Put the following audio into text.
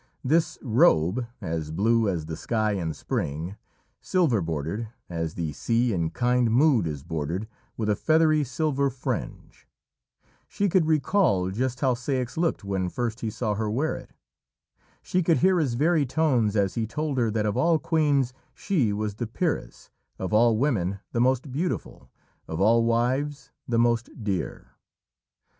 This robe, as blue as the sky in spring silver bordered, as the sea in kind mood is bordered with a feathery silver fringe. She could recall just how Ceyx looked when first he saw her wear it. She could hear his very tones as he told her that of all queens she was the peeress, of all women the most beautiful, of all wives the most dear.